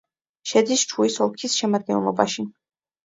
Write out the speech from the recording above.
შედის ჩუის ოლქის შემადგენლობაში.